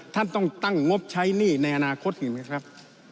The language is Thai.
ท่านต้องตั้งงบใช้หนี้ในอนาคตอีกไหมครับ